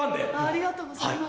ありがとうございます。